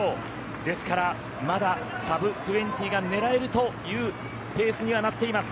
ですからまだサブトゥエンティーが狙えるというペースにはなっています。